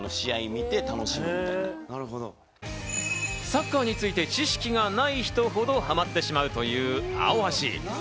サッカーについて知識がない人ほどハマってしまうという『アオアシ』。